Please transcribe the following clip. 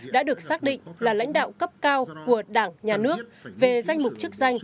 đã được xác định là lãnh đạo cấp cao của đảng nhà nước về danh mục chức danh